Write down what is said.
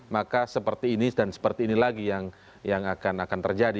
maka seperti ini dan seperti ini lagi yang akan terjadi